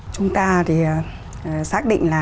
chúng ta thì xác định là